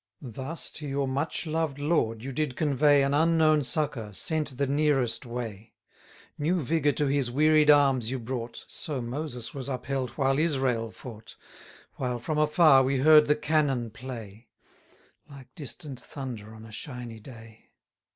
Thus to your much loved lord you did convey An unknown succour, sent the nearest way. New vigour to his wearied arms you brought (So Moses was upheld while Israel fought), While, from afar, we heard the cannon play, 30 Like distant thunder on a shiny day.